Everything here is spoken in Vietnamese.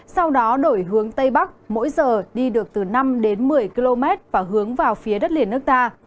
sau đó đổi hướng tây bắc mỗi giờ đi được từ năm đến một mươi km và hướng vào phía đất liền nước ta